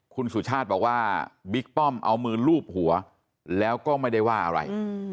คุณสุชาติบอกว่าบิ๊กป้อมเอามือลูบหัวแล้วก็ไม่ได้ว่าอะไร